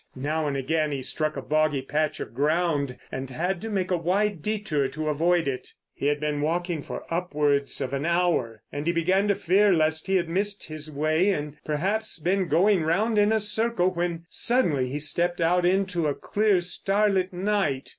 Now and again he struck a boggy patch of ground and had to make a wide detour to avoid it. He had been walking for upwards of an hour, and he began to fear lest he had missed his way and perhaps been going round in a circle, when suddenly he stepped out into a clear, starlit night.